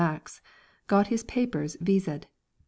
Max, got his papers viséd.